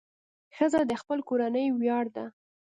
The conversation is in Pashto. ښځه د خپلې کورنۍ ویاړ ده.